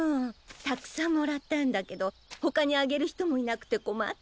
たくさんもらったんだけどほかにあげるひともいなくてこまってたの。